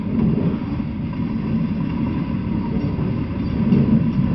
El lugar de la masacre está declarado Hito Histórico Nacional.